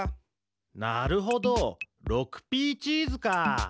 なるほど６Ｐチーズか！